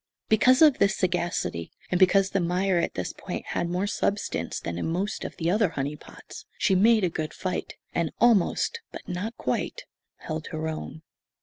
Because of this sagacity, and because the mire at this point had more substance than in most of the other "honey pots," she made a good fight, and almost, but not quite, held her own.